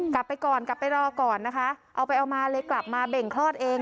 กลับไปก่อนกลับไปรอก่อนนะคะเอาไปเอามาเลยกลับมาเบ่งคลอดเอง